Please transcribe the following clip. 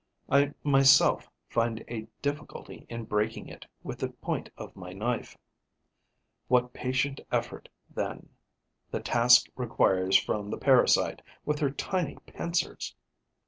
I myself find a difficulty in breaking it with the point of my knife. What patient effort, then, the task requires from the parasite, with her tiny pincers!